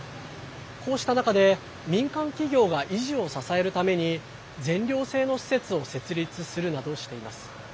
こうした中で、民間企業が遺児を支えるために全寮制の施設を設立するなどしています。